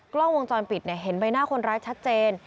กล้องวงจรปิดเห็นใบหน้าคนร้ายชัดเจน